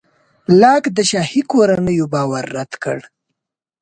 لاک د شاهي کورنیو باور رد کړ.